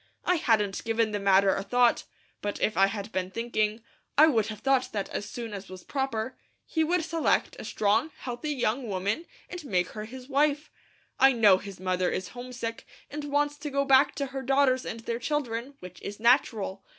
I hadn't given the matter a thought, but if I had been thinking, I would have thought that as soon as was proper, he would select a strong, healthy young woman, and make her his wife. I know his mother is homesick, and wants to go back to her daughters and their children, which is natural.